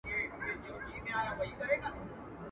o بې ما بې شل نه کې.